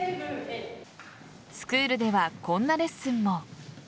スクールではこんなレッスンも。